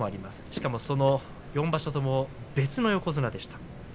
しかも、その４場所とも別の横綱でした。